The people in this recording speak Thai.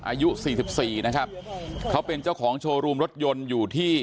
อายุสี่สิบสี่นะครับเขาเป็นเจ้าของโชว์รูมรถยนต์อยู่ที่